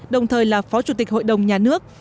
đồng thời là phó chủ tịch hội đồng nhà nước